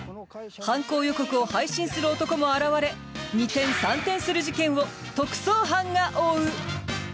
犯行予告を配信する男も現れ二転三転する事件を特捜班が追う！